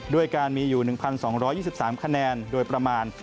ด้วยการมีอยู่๑๒๒๓คะแนนโดยประมาณ